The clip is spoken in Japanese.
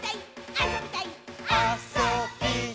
あそびたいっ！！」